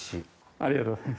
ありがとうございます。